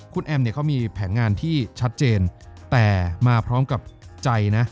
คุณแอมเนี่ยเขามีแผนงานที่ชัดเจนแต่มาพร้อมกับใจนะ